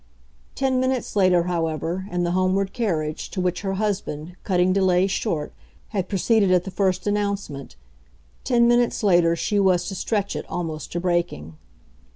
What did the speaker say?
Ten minutes later, however, in the homeward carriage, to which her husband, cutting delay short, had proceeded at the first announcement, ten minutes later she was to stretch it almost to breaking.